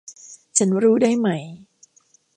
ฉันรู้ได้ไหม